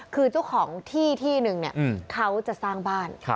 คือเจ้าของที่ที่นึงเขาจะสร้างบ้าน